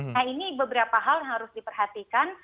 nah ini beberapa hal yang harus diperhatikan